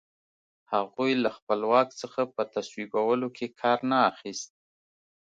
هغوی له خپل واک څخه په تصویبولو کې کار نه اخیست.